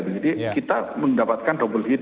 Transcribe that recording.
jadi kita mendapatkan double hit